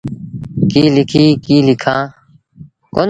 ڪيٚ ليٚکي ڪيٚ لکآݩ۔